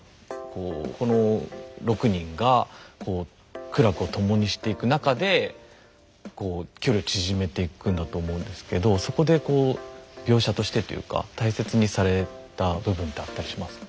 この６人がこう苦楽を共にしていく中でこう距離を縮めていくんだと思うんですけどそこで描写としてというか大切にされた部分ってあったりしますか？